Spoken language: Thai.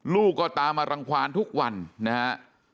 ลูกก็ตามมารังความทุกวันนะฮะ